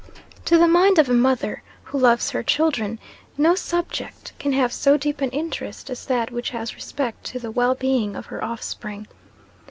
To the mind of a mother, who loves her children, no subject can have so deep an interest as that which has respect to the well being of her offspring.